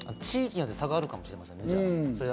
地域によって差があるのかもしれませんね。